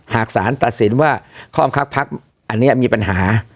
หากสารตัดสินว่าครอบคลักภักดิ์อันเนี้ยมีปัญหา